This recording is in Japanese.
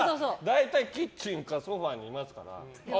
大体キッチンかソファにいますから。